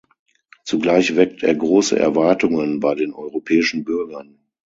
Zugleich weckt er große Erwartungen bei den europäischen Bürgern.